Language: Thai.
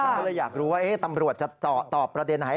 ก็เลยอยากรู้ว่าตำรวจจะตอบประเด็นไหน